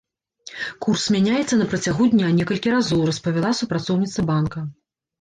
Курс мяняецца на працягу дня некалькі разоў, распавяла супрацоўніца банка.